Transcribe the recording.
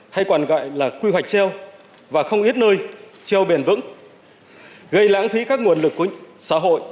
hay còn gọi là quy hoạch treo và không ít nơi treo biển vững gây lãng phí các nguồn lực của xã hội